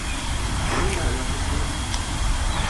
Seninle alakası yok.